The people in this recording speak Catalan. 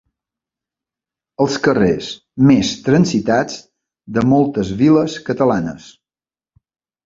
Els carrers més transitats de moltes viles catalanes.